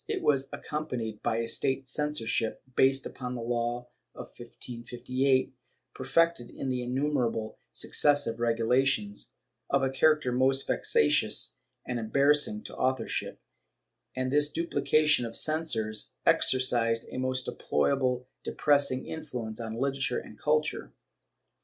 It was accompanied by a state censorship, based upon the law of 1558, perfected in innumerable successive regulations, of a character most vexatious and embarrassing to authorship, and this duphcation of censors exercised a most deplorably depressing influence on literature and culture.